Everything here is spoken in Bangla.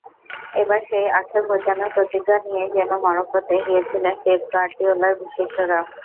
এবার সেই আক্ষেপ ঘোচানোর প্রতিজ্ঞা নিয়েই যেন মরক্কোতে গিয়েছিলেন পেপ গার্দিওলার শিষ্যরা।